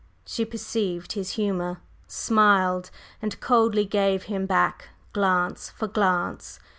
She perceived his humor, smiled, and coldly gave him back glance for glance.